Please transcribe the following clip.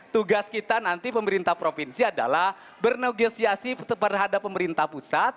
tugas kita nanti pemerintah provinsi adalah bernegosiasi terhadap pemerintah pusat